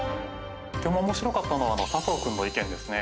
とてもおもしろかったのは、佐藤君の意見ですね。